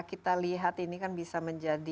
kita lihat ini kan bisa menjadi